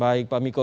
baik pak miko